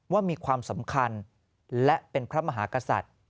ว่ามีความสำคัญและเป็นพระมหากษัตริย์